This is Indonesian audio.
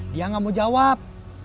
dia gak mau jawab